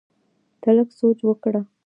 ته لږ سوچ وکړه!